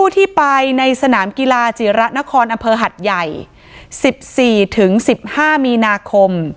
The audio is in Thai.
ที่ไปในสนามกีฬาจิระนครอำเภอหัดใหญ่๑๔ถึง๑๕มีนาคม